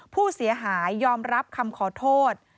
ผู้เสียหายยอมรับคำขอโทษ